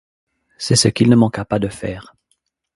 C'est ce qu'il ne manqua pas de faire.